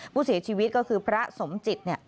ผู้เสียชีวิตก็คือพระสมจิต